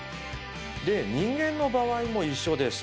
で人間の場合も一緒です。